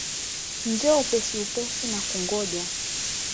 Njoo upesi upesi nakungoja.